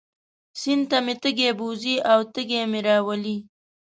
سیند ته مې تږی بوځي او تږی مې راولي.